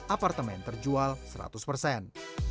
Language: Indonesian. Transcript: apartemen terjual seratus persen